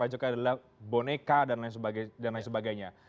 pak jokowi adalah boneka dan lain sebagainya